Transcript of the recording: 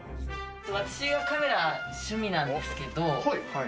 私がカメラ、趣味なんですけど。